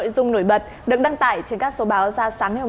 từ ngày một mươi đến ngày hai mươi tháng sáu năm hai nghìn hai mươi hai